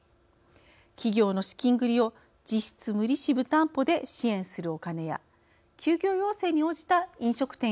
企業の資金繰りを実質無利子無担保で支援するおカネや休業要請に応じた飲食店への協力金